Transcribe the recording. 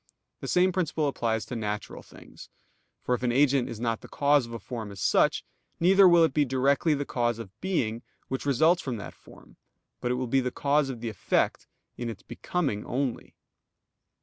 The same principle applies to natural things. For if an agent is not the cause of a form as such, neither will it be directly the cause of being which results from that form; but it will be the cause of the effect, in its becoming only.